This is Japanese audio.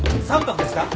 ３泊ですか？